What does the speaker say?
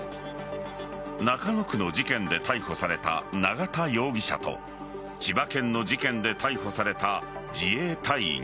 中野区の事件で逮捕された永田容疑者と千葉県の事件で逮捕された自衛隊員。